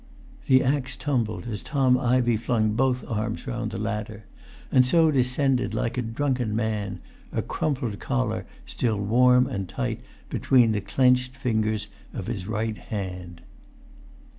The axe tumbled as Tom Ivey flung both arms round the ladder, and so descended like a drunken man, a crumpled collar still warm and tight between the clenched fingers of his right hand.